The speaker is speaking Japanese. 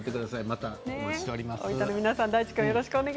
またお待ちしております。